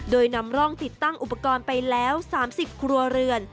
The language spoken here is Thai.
โดยนำร่องติดตั้งอุปกรณ์ไปแล้ว๓๐ครัวเรือน